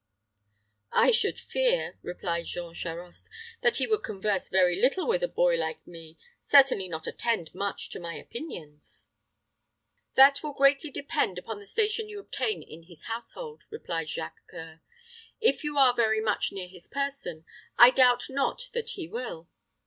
"I should fear," replied Jean Charost, "that he would converse very little with a boy like me, certainly not attend much to my opinions." "That will greatly depend upon the station you obtain in his household," replied Jacques C[oe]ur. "If you are very much near his person, I doubt not that he will.